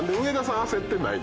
上田さん